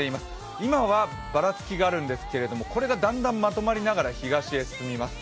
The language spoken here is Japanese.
今はばらつきがあるんですけれども、これがだんだんまとまりながら東へ進みます。